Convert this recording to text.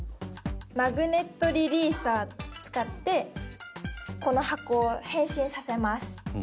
マグネットリリーサーを使ってこの箱を変身させます。